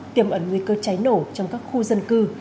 tiềm ẩn nguy cơ cháy nổ trong các khu dân cư